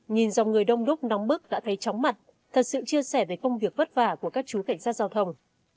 nhìn dòng người đông đúc nóng bức đã thấy chóng mặt thật sự chia sẻ về công việc vất vả của các chú cảnh sát giao thông